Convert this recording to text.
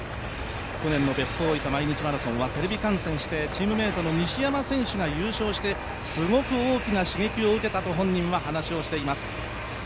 去年の別府大分マラソンはテレビ観戦してチームメイトの西山選手が優勝してすごく大きな刺激を受けたと本人は話をしています。